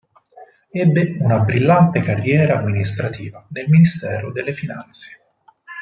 Ebbe una brillante carriera amministrativa nel ministero delle Finanze.